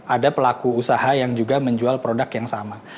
ada pelaku usaha yang juga menjual produk yang sama